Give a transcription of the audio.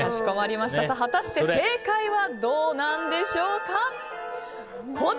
果たして正解はどうなんでしょうか。